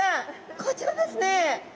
こちらですね！